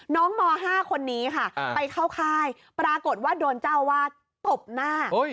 ม๕คนนี้ค่ะไปเข้าค่ายปรากฏว่าโดนเจ้าวาดตบหน้า